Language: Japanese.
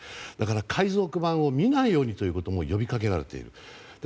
だから、海賊版を見ないようにということも呼びかけられている。